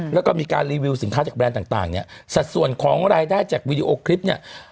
แล้วก็มีการรีวิวสินค้าจากแบรนด์ต่างเนี่ยสัดส่วนของรายได้จากวีดีโอคลิปเนี่ย